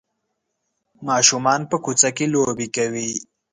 ماشومان په کوڅه کې لوبې کوي.